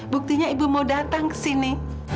buktinya ibu mau datang ke sini